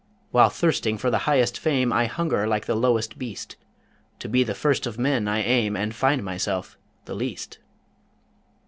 While thirsting for the highest fame, I hunger like the lowest beast: To be the first of men I aim And find myself the least.